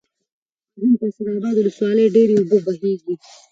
او هم په سيدآباد ولسوالۍ ډېرې اوبه بهيږي،